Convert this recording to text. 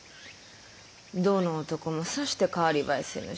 どの男もさして代わり映えせぬし。